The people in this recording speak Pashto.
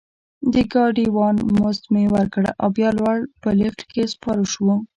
د ګاډي وان مزد مې ورکړ او بیا لوړ په لفټ کې سپاره شوو.